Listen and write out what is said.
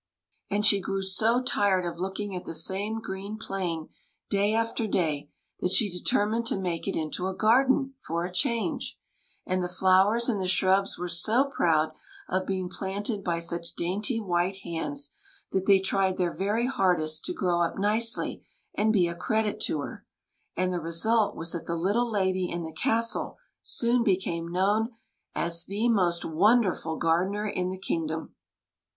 And she grew so tired of looking at the same green plain day after day, that she determined to make it into a garden for a change ; and the flowers and the shrubs were so proud of being planted by such dainty, white hands that they tried their very hardest to grow up nicely and be a credit to her ; and the result was that the little lady in the castle soon became known as the most wonderful gardener in the kingdom.